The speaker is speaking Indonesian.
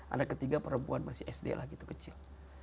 anak ketiga perempuan masih sd lah gitu kecil